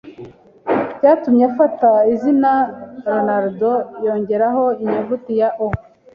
byatumye afata izina Ronald yongeraho inyuguti ya o